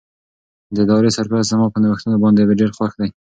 د ادارې سرپرست زما په نوښتونو باندې ډېر خوښ دی.